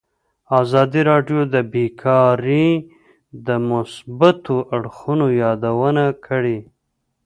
ازادي راډیو د بیکاري د مثبتو اړخونو یادونه کړې.